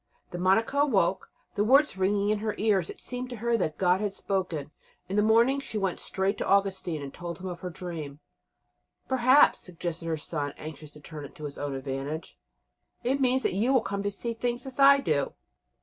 Then Monica awoke; the words were ringing in her ears; it seemed to her that God had spoken. In the morning she went straight to Augustine and told him of her dream. "Perhaps," suggested her son, anxious to turn it to his own advantage, "it means that you will come to see things as I do."